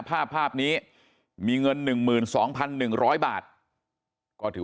ภาพภาพนี้มีเงินหนึ่งหมื่นสองพันหนึ่งร้อยบาทก็ถือ